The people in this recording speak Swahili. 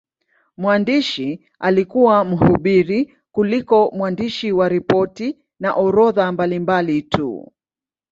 Mwandishi alikuwa mhubiri kuliko mwandishi wa ripoti na orodha mbalimbali tu.